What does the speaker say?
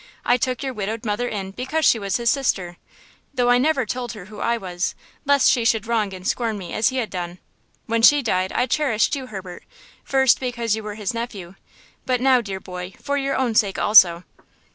I took your widowed mother in, because she was his sister, though I never told her who I was, lest she should wrong and scorn me, as he had done. When she died I cherished you, Herbert, first because you were his nephew, but now, dear boy, for your own sake also."